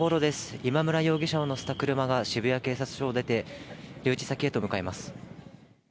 今村容疑者を乗せた車が渋谷警察署を出て留置先へと向かいます。